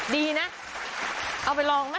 ดีนะเอาไปลองไหม